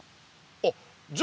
あっじゃ